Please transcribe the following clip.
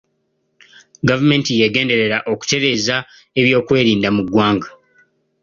Gavumenti yagenderera okutereeza ebyokwerinda mu ggwanga.